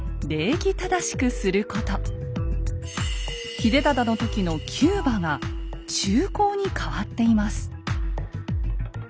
秀忠の時の「弓馬」が「忠孝」に変わっています。